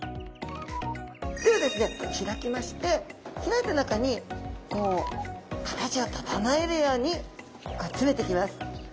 ではですね開きまして開いた中にこう形を整えるように詰めていきます。